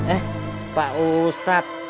eh pak ustadz